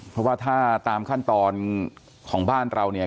เพราะว่าถ้าตามขั้นตอนของบ้านเราเนี่ย